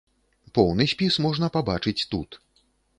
Поўны спіс можна пабачыць тут.